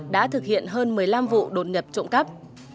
đã thực hiện hơn một mươi năm vụ đột nhập trộm cắp